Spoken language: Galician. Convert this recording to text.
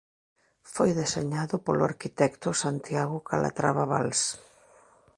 Foi deseñado polo arquitecto Santiago Calatrava Valls.